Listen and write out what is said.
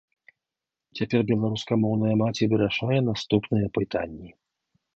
Цяпер беларускамоўная маці вырашае наступныя пытанні.